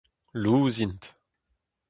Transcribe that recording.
Lous int.